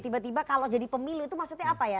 tiba tiba kalau jadi pemilu itu maksudnya apa ya